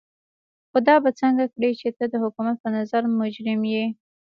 خو دا به څنګه کړې چې ته د حکومت په نظر مجرم يې.